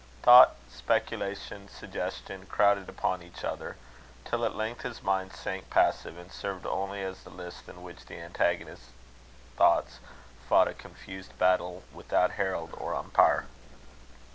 Thought, Speculation, Suggestion, crowded upon each other, till at length his mind sank passive, and served only as the lists in which the antagonist thoughts fought a confused battle without herald or umpire.